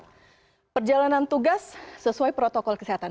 lalu selanjutnya perjalanan tugas sesuai protokol kesehatan